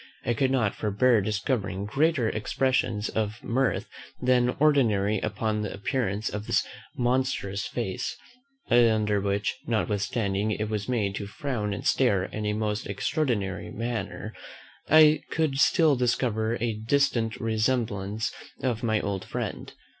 I could not forbear discovering greater expressions of mirth than ordinary upon the appearance of this monstrous face, under which, notwithstanding it was made to frown and stare in a most extraordinary manner, I could still discover a distant resemblance of my old friend.